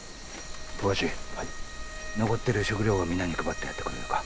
残ってる食料をみんなに配ってやってくれるか。